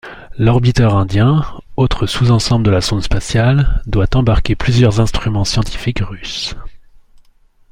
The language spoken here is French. L'orbiteur indien, autre sous-ensemble de la sonde spatiale, doit embarquer plusieurs instruments scientifiques russes.